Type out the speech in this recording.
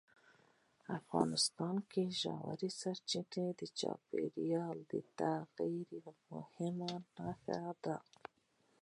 افغانستان کې ژورې سرچینې د چاپېریال د تغیر یوه مهمه نښه ده.